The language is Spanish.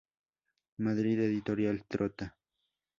Madrid: Editorial Trotta.